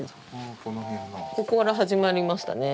ここから始まりましたね。